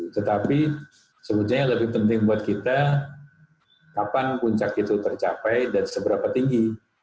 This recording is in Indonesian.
tetapi sebetulnya yang lebih penting buat kita kapan puncak itu tercapai dan seberapa tinggi